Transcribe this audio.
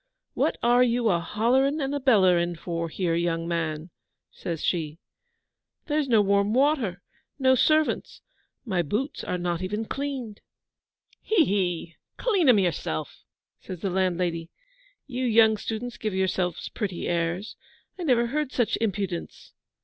'What are you a hollering and a bellaring for here, young man?' says she. 'There's no warm water no servants; my boots are not even cleaned.' 'He, he! Clean 'em yourself,' says the landlady. 'You young students give yourselves pretty airs. I never heard such impudence.